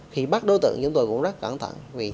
khi bắt đối tượng chúng tôi cũng rất cẩn thận